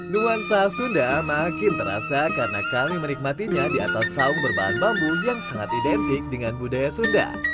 nuansa sunda makin terasa karena kami menikmatinya di atas saung berbahan bambu yang sangat identik dengan budaya sunda